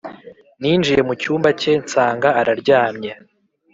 ninjiye mu cyumba cye nsanga araryamye